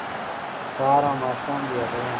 سهار او ماښام دې یادوم